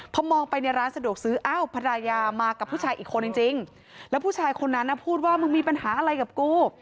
พอมองไปในร้านสะดวกซื้ออ้าวภรรยามากับผู้ชายอีกคนจริงแล้วผู้ชายคนนั้นน่ะพูดว่ามึงมีปัญหาอะไรกับกู